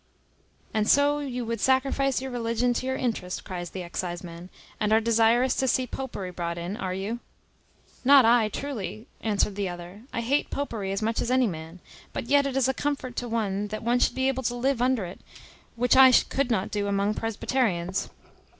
"And so you would sacrifice your religion to your interest," cries the exciseman; "and are desirous to see popery brought in, are you?" "Not I, truly," answered the other; "I hate popery as much as any man; but yet it is a comfort to one, that one should be able to live under it, which I could not do among Presbyterians.